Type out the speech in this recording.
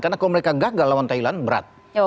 karena kalau mereka gagal lawan thailand berat